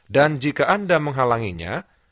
dan jika anda menghalanginya